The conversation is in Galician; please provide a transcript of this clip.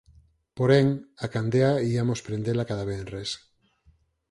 Porén, a candea iamos prendela cada venres